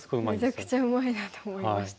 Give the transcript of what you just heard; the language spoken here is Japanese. めちゃくちゃうまいなと思いました。